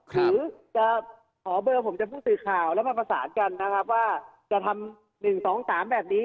หรือจะขอเบอร์ผมจากผู้สื่อข่าวแล้วมาประสานกันนะครับว่าจะทำ๑๒๓แบบนี้